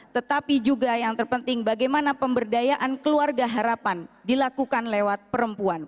tetapi juga yang terpenting bagaimana pemberdayaan keluarga harapan dilakukan lewat perempuan